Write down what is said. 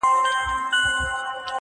جهاني له دې وطنه یوه ورځ کډي باریږي!.